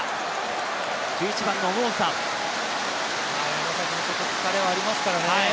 山崎もちょっと疲れはありますからね。